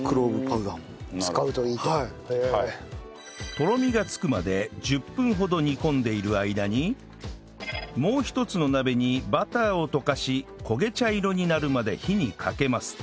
とろみがつくまで１０分ほどもう一つの鍋にバターを溶かし焦げ茶色になるまで火にかけます